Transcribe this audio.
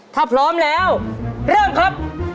ถ้าพร้อมแล้วเริ่มครับ